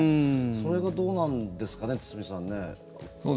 それがどうなんですかね堤さんね。